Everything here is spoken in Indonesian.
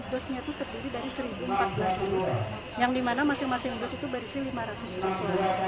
dusnya itu terdiri dari satu empat belas dus yang dimana masing masing dus itu berisi lima ratus surat suara